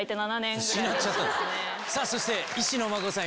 そして石野真子さん